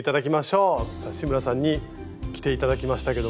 さあ志村さんに着て頂きましたけども。